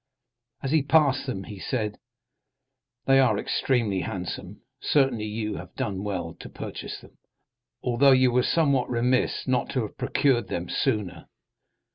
As he passed them he said: "They are extremely handsome certainly, and you have done well to purchase them, although you were somewhat remiss not to have procured them sooner."